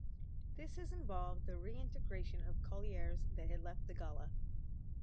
This has involved the reintegration of collieries that had left the Gala.